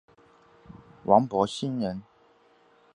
王柏心人。